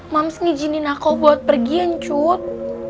mams ngijinin aku buat pergi ancut